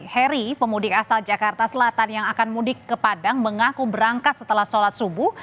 heri pemudik asal jakarta selatan yang akan mudik ke padang mengaku berangkat setelah sholat subuh